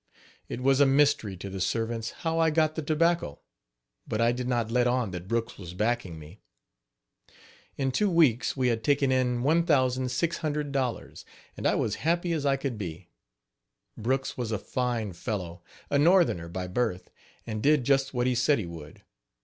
It was a mystery to the servants how I got the tobacco; but I did not let on that Brooks was backing me. In two weeks we had taken in $1,600.00, and I was happy as I could be. Brooks was a fine fellow a northerner by birth, and did just what he said he would.